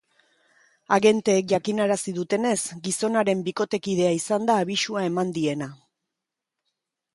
Agenteek jakinarazi dutenez, gizonaren bikotekidea izan da abisua eman diena.